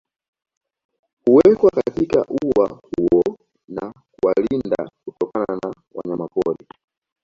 Huwekwa katikati ya ua huo na kuwalinda kutokana na wanyamapori